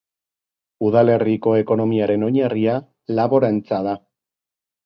Udalerriko ekonomiaren oinarria laborantza da.